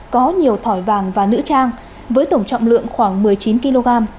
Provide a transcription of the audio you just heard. có nhiều thỏi vàng và nữ trang với tổng trọng lượng khoảng một mươi chín kg